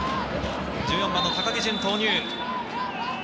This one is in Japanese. １４番・高木淳投入。